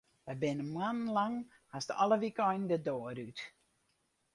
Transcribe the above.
Wy binne moannen lang hast alle wykeinen de doar út.